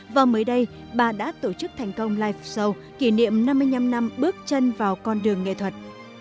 và mới đây bà đã tổ chức thành công live show kỷ niệm năm mươi năm năm bước chân vào con đường nghệ thuật